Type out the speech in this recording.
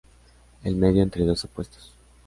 El medio entre dos opuestos.